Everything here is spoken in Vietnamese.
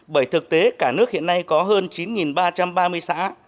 bởi thực tế cả nước hiện nay có hơn chín ba trăm ba mươi xã